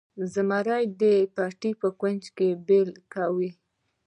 زمري د پټي کونج بیل کاوه.